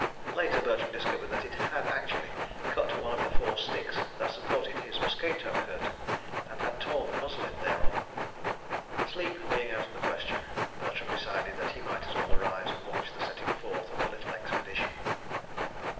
(Later Bertram discovered that it had actually cut one of the four sticks that supported his mosquito curtain, and had torn the muslin thereof.) Sleep being out of the question, Bertram decided that he might as well arise and watch the setting forth of the little expedition.